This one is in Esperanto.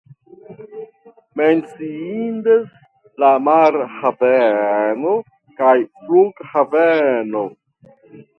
Menciindas la marhaveno kaj flughaveno.